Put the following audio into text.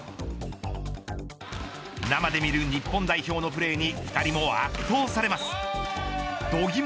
生で見る日本代表のプレーに２人も圧倒されます。